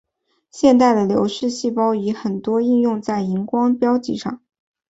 现代的流式细胞仪很多应用在荧光标记上。